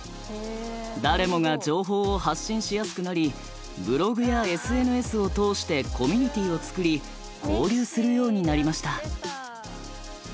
誰もが情報を発信しやすくなりブログやＳＮＳを通してコミュニティーをつくり交流するようになりました。